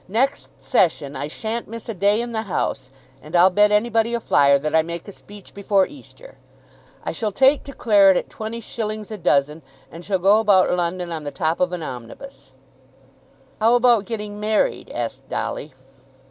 Next session I shan't miss a day in the House, and I'll bet anybody a fiver that I make a speech before Easter. I shall take to claret at 20_s._ a dozen, and shall go about London on the top of an omnibus." "How about getting married?" asked Dolly.